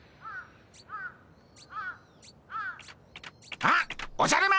あっおじゃる丸。